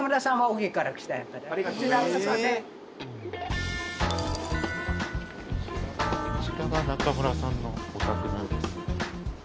あちらが中村さんのお宅のようです。